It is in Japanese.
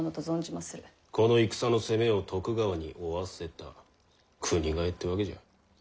この戦の責めを徳川に負わせた国替えってわけじゃ。